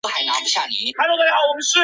米伊多尔格。